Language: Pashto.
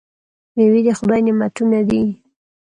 میوې د خدای نعمتونه دي.